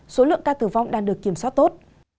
số lượng ca tử vong đang được kiểm soát tốt